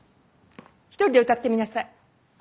一人で歌ってみなさい。